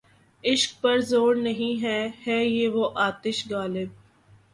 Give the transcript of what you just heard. عشق پر زور نہیں، ہے یہ وہ آتش غالب